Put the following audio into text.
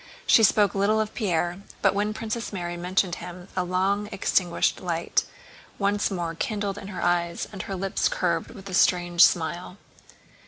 She spoke little of Pierre, but when Princess Mary mentioned him a long extinguished light once more kindled in her eyes and her lips curved with a strange smile.